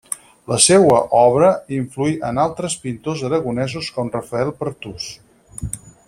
La seua obra influí en altres pintors aragonesos com Rafael Pertús.